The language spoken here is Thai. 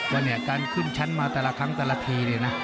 วันนี้การขึ้นชั้นมาแต่ละครั้งแต่ละพีเลยนะ